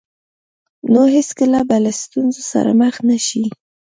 نو هېڅکله به له ستونزو سره مخ نه شئ.